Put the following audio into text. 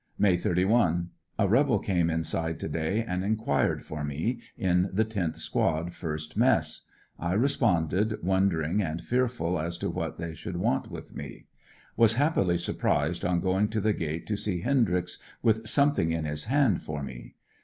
May 31. — A rebel came inside to day and enquired for me, in the tenth squad, first mess. I responded, wondering and fearful as to what they should want with me. Was happily surprised on going to the gate to see Hendryx with something in his hand for me.